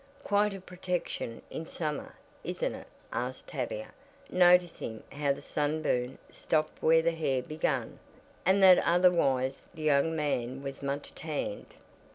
"Quite a protection in summer, isn't it?" asked Tavia, noticing how the sunburn stopped where the hair began, and that otherwise the young man was much tanned.